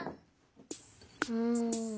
うん。